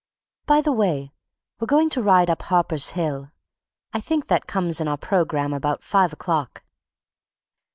By the way, we're going to ride up Harper's Hill. I think that comes in our programme about five o'clock."